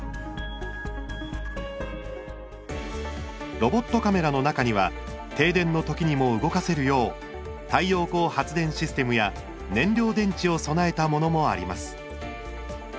ロボットカメラの中には停電のときにも動かせるよう太陽光発電システムや燃料電池を備えたものもあります。